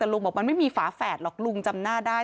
แต่ลุงบอกมันไม่มีฝาแฝดหรอกลุงจำหน้าได้